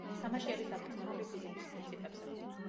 თამაში არის დაფუძნებული ფიზიკის პრინციპებზე.